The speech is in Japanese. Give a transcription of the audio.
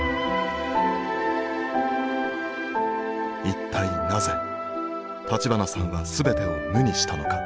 一体なぜ立花さんは全てを無にしたのか？